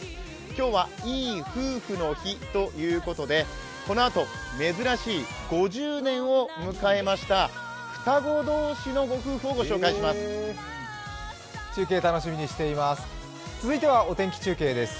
今日はいい夫婦の日ということでこのあと、珍しい５０年を迎えました双子同士の夫婦を御紹介します。